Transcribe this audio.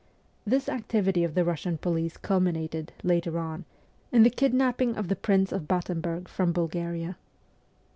This activity of the Eussian police culminated, later on, in the kidnapping of the Prince of Battenberg from Bulgaria.